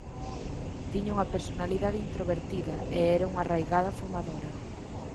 Tiña unha personalidade introvertida e era unha arraigada fumadora.